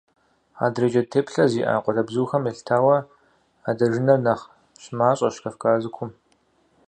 Адрей джэд теплъэ зиӀэ къуалэбзухэм елъытауэ адэжынэр нэхъ щымащӀэщ Кавказыкум.